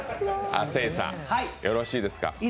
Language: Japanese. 亜生さんよろしいですか。